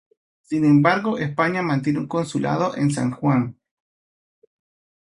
Sin embargo España mantiene un consulado en San Juan.